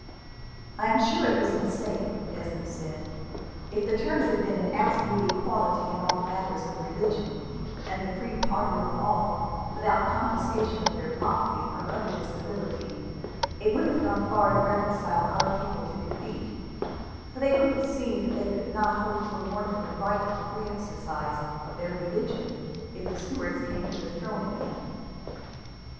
"I am sure it was a mistake," Desmond said. "If the terms had been an absolute equality in all matters of religion, and the free pardon of all, without confiscation of their property or other disability, it would have gone far to reconcile our people to defeat; for they would have seen that they could not hope for more than the right of free exercise of their religion, if the Stuarts came to the throne again."